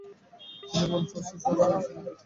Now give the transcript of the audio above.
তিনি বোন ও স্ত্রীসহ কারাগারে ছিলেন।